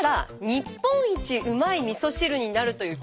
日本一うまいみそ汁になりますか？